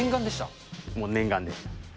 もう念願です。